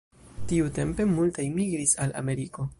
Tiutempe multaj migris al Ameriko.